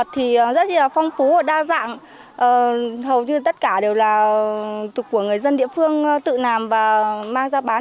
thì rất là phong phú và đa dạng hầu như tất cả đều là của người dân địa phương tự làm và mang ra bán